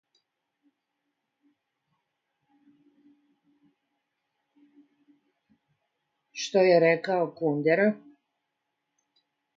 Што рекао Кундера...